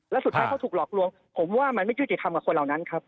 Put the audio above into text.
แล้วสุดท้ายเขาถูกหลอกลวงผมว่ามันไม่ยุติธรรมกับคนเหล่านั้นครับ